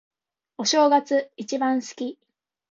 お正月、一番好き。